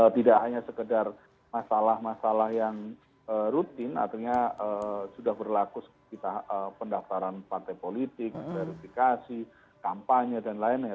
tidak hanya sekedar masalah masalah yang rutin artinya sudah berlaku seperti pendaftaran partai politik verifikasi kampanye dan lain lain